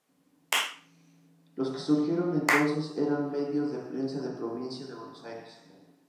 Los que surgieron entonces eran medios de prensa de la Provincia de Buenos Aires.